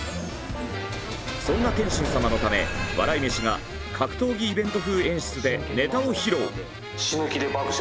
そんな天心様のため笑い飯が格闘技イベント風演出でネタを披露。